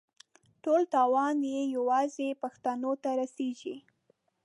ټول تاوان یې یوازې پښتنو ته رسېږي.